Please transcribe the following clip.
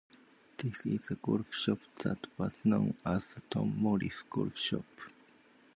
This is the golf shop that was known as the Tom Morris Golf Shop.